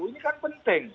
ini kan penting